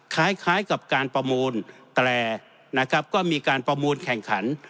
คล้ายกับการประมูลแต่นะครับก็มีการประมูลแข่งขัน